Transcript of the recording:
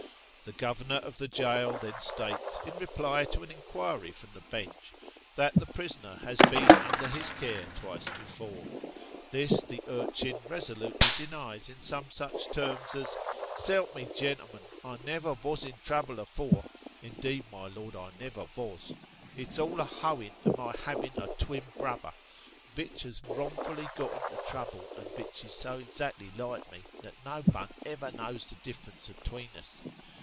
The governor of the jail then states, in reply to an inquiry from the Bench, that the prisoner has been under his care twice before. This the urchin resolutely denies in some such terms as " S'elp me, gen'lm'n, I never vos in trouble afore indeed, my Lord, I never vos. It's all a howen to my having a twin brother, vich has wrongfully got into trouble, and vich is so exactly like me, that no vun ever knows the difference atween us."